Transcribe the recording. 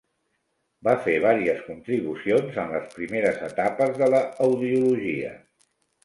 Va fer vàries contribucions en les primeres etapes de la audiologia.